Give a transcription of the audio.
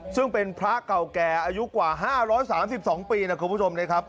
ซึ่งเป็นพระเก่าแก่อายุกว่า๕๓๒ปีนะคุณผู้ชมนะครับ